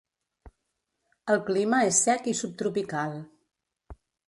El clima és sec i subtropical.